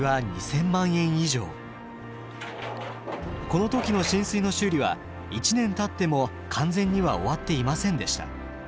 この時の浸水の修理は１年たっても完全には終わっていませんでした。